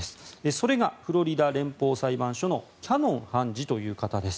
それがフロリダ連邦裁判所のキャノン判事という方です。